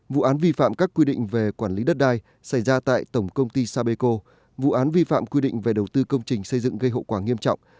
vụ án vi phạm các quy định về quản lý đất đai xảy ra tại tổng công ty sapeco vụ án vi phạm quy định về đầu tư công trình xây dựng gây hậu quả nghiêm trọng